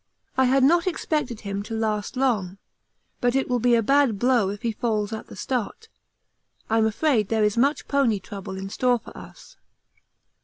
I had not expected him to last long, but it will be a bad blow if he fails at the start. I'm afraid there is much pony trouble in store for us.